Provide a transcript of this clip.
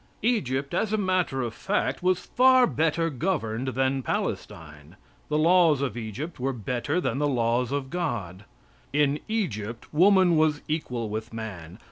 Egypt, as a matter of fact, was far better governed than Palestine. The laws of Egypt were better than the laws of God. In Egypt woman was equal with man.